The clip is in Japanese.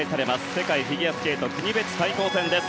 世界フィギュアスケート国別対抗戦です。